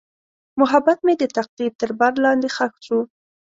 محبت مې د تقدیر تر بار لاندې ښخ شو.